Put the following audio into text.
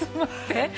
えっ！